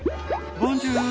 ボンジュール！